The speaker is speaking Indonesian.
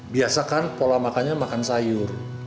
biasakan pola makannya makan sayur